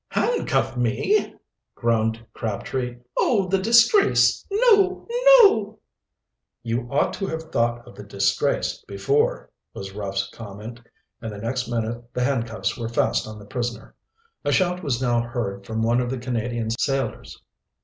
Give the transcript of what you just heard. "Handcuff me!" groaned Crabtree, "Oh, the disgrace! No! no!" "You ought to have thought of the disgrace before," was Ruff's comment, and the next minute the handcuffs were fast on the prisoner. A shout was now heard from one of the Canadian sailors.